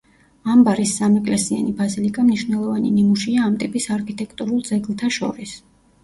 ამბარის სამეკლესიანი ბაზილიკა მნიშვნელოვანი ნიმუშია ამ ტიპის არქიტექტურულ ძეგლთა შორის.